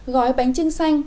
gói bánh trưng xanh